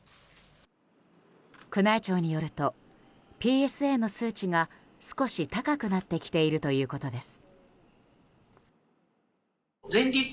宮内庁によると、ＰＳＡの数値が少し高くなってきているということです。